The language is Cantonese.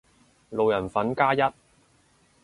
路人粉加一